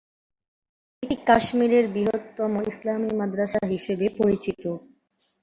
এটি কাশ্মীরের বৃহত্তম ইসলামী মাদ্রাসা হিসেবে পরিচিত।